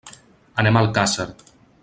Anem a Alcàsser.